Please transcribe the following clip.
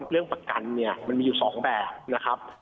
เรื่องประกันเนี่ยมันมีอยู่๒แบบนะครับ